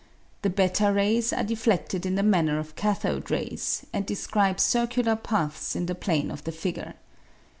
The i^ rays are defleded in the manner of cathode rays, and describe circular paths in the plane of the figure.